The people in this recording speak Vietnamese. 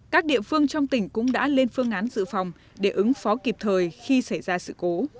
các địa phương trong tỉnh cũng đã lên phương án dự phòng để ứng phó kịp thời khi xảy ra sự cố